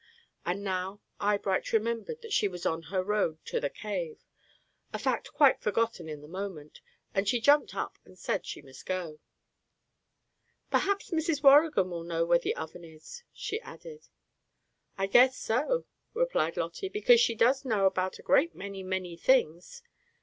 And now Eyebright remembered that she was on her road to the cave, a fact quite forgotten for the moment, and she jumped up and said she must go. "Perhaps Mrs. Waurigan will know where the Oven is," she added. "I guess so," replied Lotty; "because she does know about a great many, many things.